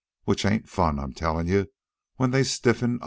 "Which ain't fun, I'm tellin' you, when they stiffen up."